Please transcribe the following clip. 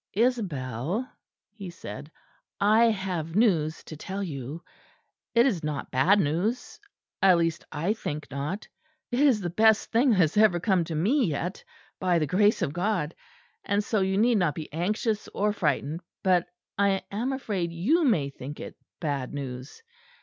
"Isabel," he said, "I have news to tell you. It is not bad news at least I think not it is the best thing that has ever come to me yet, by the grace of God, and so you need not be anxious or frightened. But I am afraid you may think it bad news.